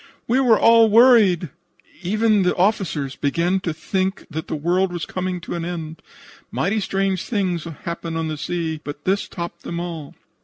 We were all worried. Even the officers began to think that the world was coming to an end. Mighty strange things happen on the sea, but this topped them all.